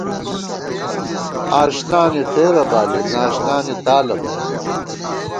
آشنانی فېرہ بالی، ناشنانی تالہ بالی